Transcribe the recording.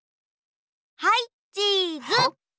はいチーズ。